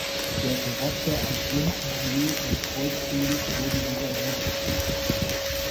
Der Charakter als Lindenallee des Kreuzweges wurde wieder hergestellt.